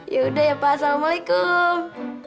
yaudah ya pak assalamualaikum